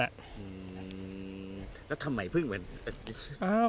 อืมแล้วทำไมเพิ่งเหมือน